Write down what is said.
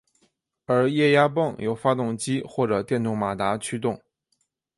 而液压泵由发动机或者电动马达驱动。